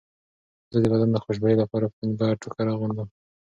زه د بدن خوشبویۍ لپاره پنبه ټوکر اغوندم.